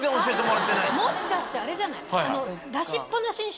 もしかしてあれじゃない？